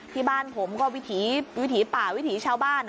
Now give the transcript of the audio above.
ที่บ้านผมก็วิถีวิถีป่าวิถีชาวบ้าน